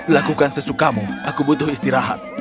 lakukan sesukamu aku butuh istirahat